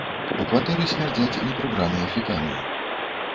У кватэры смярдзяць непрыбраныя фекаліі.